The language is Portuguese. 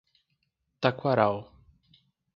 Taquaral